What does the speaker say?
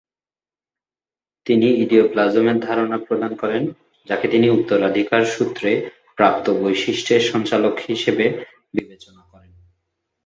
তিনি "ইডিওপ্লাজম"-এর ধারণা প্রদান করেন, যাকে তিনি উত্তরাধিকারসূত্রে প্রাপ্ত বৈশিষ্ট্যের সঞ্চালক হিসেবে বিবেচনা করেন।